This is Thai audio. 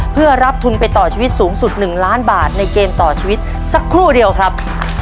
เพื่อรับทุนไปต่อชีวิตสูงสุด๑ล้านบาทในเกมต่อชีวิตสักครู่เดียวครับ